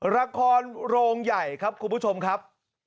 โรงใหญ่ครับคุณผู้ชมครับ